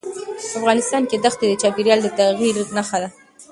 افغانستان کې دښتې د چاپېریال د تغیر نښه ده.